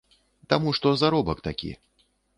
Таму што заробак такі.